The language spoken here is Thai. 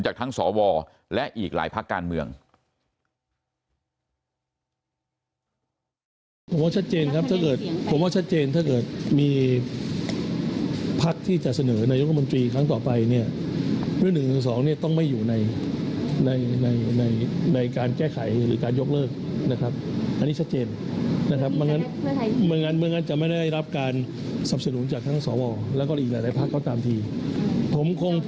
ทั้งสวและอีกหลายพักการเมือง